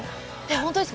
本当ですか。